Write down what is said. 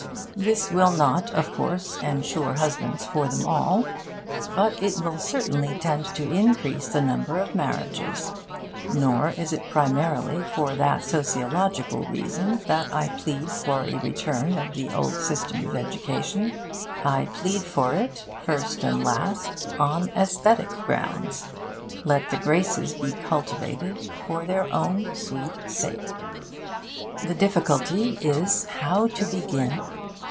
This will not, of course, ensure husbands for them all; but it will certainly tend to increase the number of marriages. Nor is it primarily for that sociological reason that I plead for a return to the old system of education. I plead for it, first and last, on aesthetic grounds. Let the Graces be cultivated for their own sweet sake. The difficulty is how to begin.